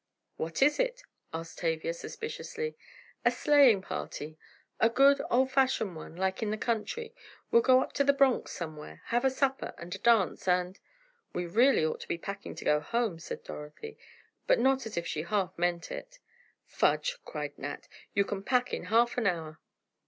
"What is it?" asked Tavia suspiciously. "A sleighing party—a good old fashioned one, like in the country. We'll go up to the Bronx, somewhere, have a supper and a dance, and——" "We really ought to be packing to go home," said Dorothy, but not as if she half meant it. "Fudge!" cried Nat. "You can pack in half an hour."